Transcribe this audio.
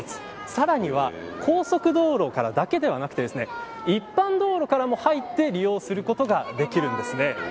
さらには高速道路からだけではなくて一般道路からも入って利用することができるんです。